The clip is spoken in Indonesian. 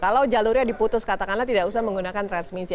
kalau jalurnya diputus katakanlah tidak usah menggunakan transmisi